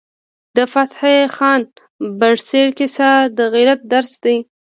د فتح خان بړیڅ کیسه د غیرت درس دی.